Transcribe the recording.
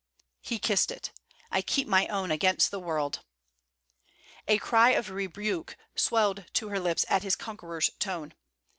He kissed it. 'I keep my own against the world.' A cry of rebuke swelled to her lips at his conqueror's tone.